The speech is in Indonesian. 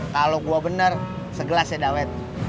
kalo gua bener segelas ya dawet